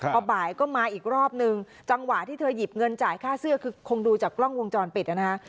พอบ่ายก็มาอีกรอบนึงจังหวะที่เธอหยิบเงินจ่ายค่าเสื้อคือคงดูจากกล้องวงจรปิดนะฮะ